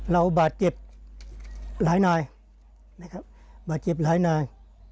เราบาดเจ็บหลายนายนะครับบาดเจ็บหลายนาย